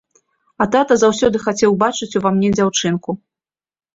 А тата заўсёды хацеў бачыць ува мне дзяўчынку.